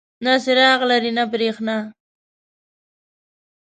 نه څراغ لري نه بریښنا.